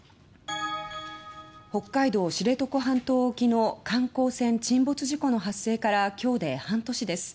北海道・知床半島沖の観光船沈没事故の発生から今日で半年です。